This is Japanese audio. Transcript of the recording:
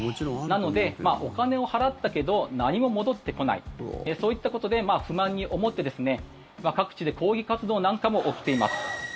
なので、お金を払ったけど何も戻ってこないそういったことで不満に思って各地で抗議活動なんかも起きています。